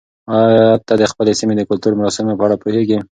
آیا ته د خپلې سیمې د کلتوري مراسمو په اړه پوهېږې؟